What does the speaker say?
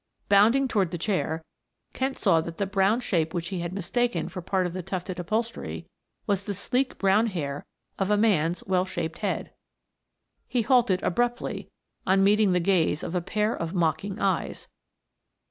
Bounding toward the chair Kent saw that the brown shape which he had mistaken for part of the tufted upholstery was the sleek brown hair of a man's well shaped head. He halted abruptly on meeting the gaze of a pair of mocking eyes.